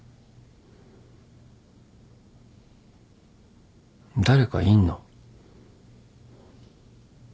誰かいんの？